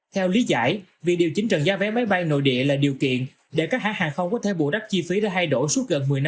theo lý giải việc điều chỉnh trần giá vé máy bay nội địa là điều kiện để các hãng hàng không có thể bù đắp chi phí đã thay đổi